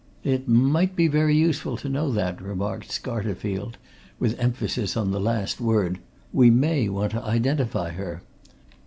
"It might be very useful to know that," remarked Scattered, with emphasis on the last word. "We may want to identify her."